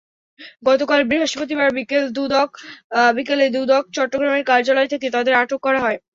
গতকাল বৃহস্পতিবার বিকেলে দুদক চট্টগ্রামের কার্যালয় থেকে তাঁদের আটক করা হয়।